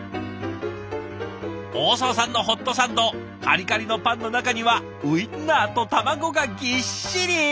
大澤さんのホットサンドカリカリのパンの中にはウインナーとたまごがぎっしり。